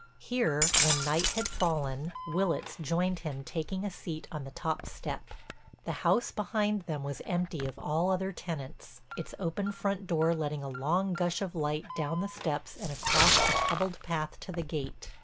Here, when night had fallen, Willitts joined him taking a seat on the top step. The house behind them was empty of all other tenants, its open front door letting a long gush of light down the steps and across the pebbled path to the gate.